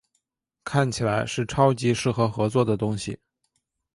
看起来是超级适合合作的东西